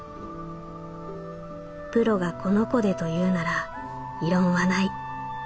「プロがこの子でと言うなら異論はない。